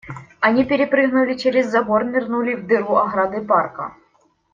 Они перепрыгнули через забор, нырнули в дыру ограды парка.